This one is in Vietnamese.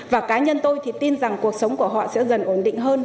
và cá nhân tôi thì tin rằng cuộc sống của họ sẽ dần ổn định hơn